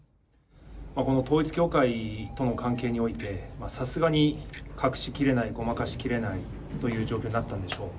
この統一教会との関係において、さすがに隠しきれない、ごまかしきれないという状況になったんでしょう。